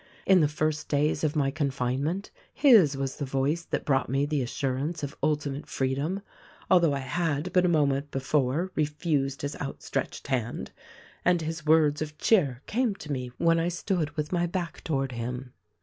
In the first days of my confinement his was the voice that brought me the assurance of ultimate free dom, — although I had, but a moment before, refused his outstretched hand — and his words of cheer came to me when I stood with my back toward him.